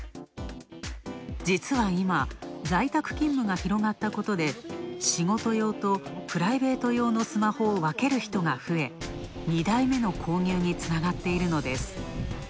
実は今、在宅勤務が広がったことで仕事用とプライベート用のスマホをわける人が増え、２台目の購入につながっているのです。